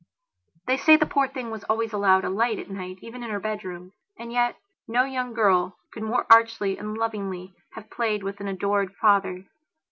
They say the poor thing was always allowed a light at night, even in her bedroom.... And yet, no young girl could more archly and lovingly have played with an adored father.